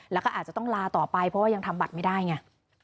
แล้วก็อาจจะต้องลาต่อไปเพราะว่ายังทำบัตรไม่ได้ไง